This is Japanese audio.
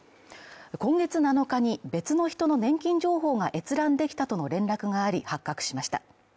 今月７日に別の人の年金情報が閲覧できたとの連絡があり発覚しました。